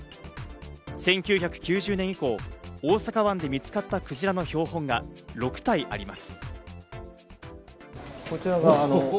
１９９０年以降、大阪湾で見つかったクジラの標本が６体あります。